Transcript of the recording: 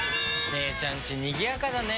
姉ちゃんちにぎやかだね。